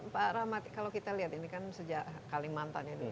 pak rahmat kalau kita lihat ini kan sejak kalimantan ya